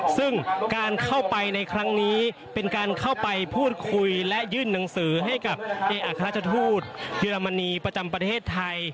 ซึ่งการเข้าไปในครั้งนี้เป็นการเข้าไปพูดคุยและยื่นหนังสือให้กับเอกอัครราชทูตเยอรมนีประจำประเทศไทย